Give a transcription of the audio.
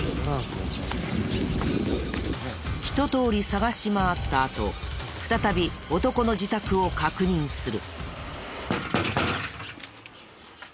ひと通り捜し回ったあと再び男の自宅を確認する。